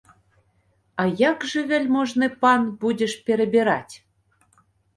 А як жа, вяльможны пан, будзеш перабіраць?